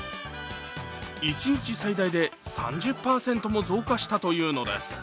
一日最大で３０％も増加したというのです。